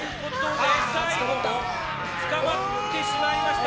おっと捕まってしまいました！